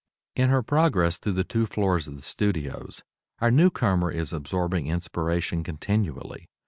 In her progress through the two floors of the studios our newcomer is absorbing inspiration continually.